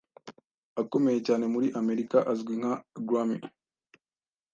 akomeye cyane muri Amerika azwi nka Grammy